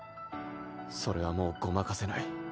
それはもうごまかせない。